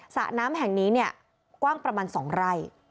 สระน้ำแห่งนี้เนี่ยกว้างประมาณ๒ไร่